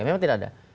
memang tidak ada